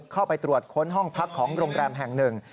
เข้าไปตรวจค้นห้องพักของโรงแรมแห่งหนึ่ง